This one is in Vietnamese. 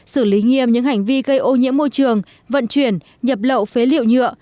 xử lý nghiêm những hành vi gây ô nhiễm môi trường vận chuyển nhập lậu phế liệu nhựa